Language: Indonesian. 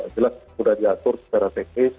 jelas sudah diatur secara teknis